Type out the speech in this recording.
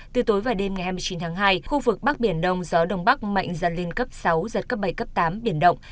từ tối và đêm ngày hai mươi chín tháng hai khu vực bắc biển đông gió đông bắc mạnh dần lên cấp sáu giật cấp bảy cấp tám biển động